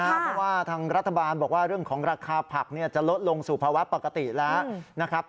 เพราะว่าทางรัฐบาลบอกว่าเรื่องของราคาผักจะลดลงสู่ภาวะปกติแล้วนะครับ